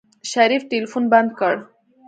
شريف ټلفون بند کړ.